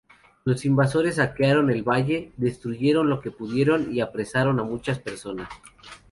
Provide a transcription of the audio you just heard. Los invasores saquearon el valle, destruyeron lo que pudieron y apresaron a muchas personas.